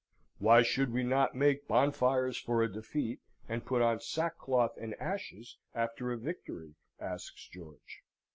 "Why should we not make bonfires for a defeat, and put on sackcloth and ashes after a victory?" asks George.